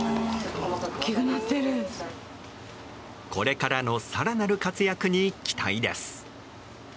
これからの更なる活躍に期待です。